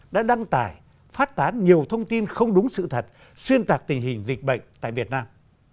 đã đăng tải phát tán nhiều thông tin không đúng sự thật xuyên tạc tình hình dịch bệnh tại việt nam